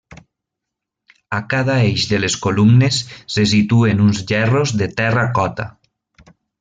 A cada eix de les columnes se situen uns gerros de terracota.